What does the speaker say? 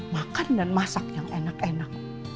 makan dan masak yang enak enak